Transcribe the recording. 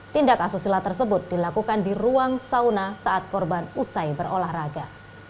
tindak asusila tersebut dilakukan di ruang sauna saat korban usai berolahraga